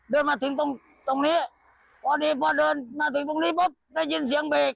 เดินมาถึงตรงตรงนี้พอดีพอเดินมาถึงตรงนี้ปุ๊บได้ยินเสียงเบรก